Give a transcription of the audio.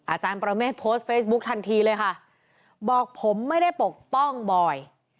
อาจารย์ประเมฆโพสต์เฟซบุ๊คทันทีเลยค่ะบอกผมไม่ได้ปกป้องบอย